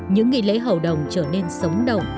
những nghị lễ hầu đồng trở nên sống đồng